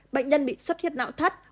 bệnh nhân bị suốt huyệt não thắt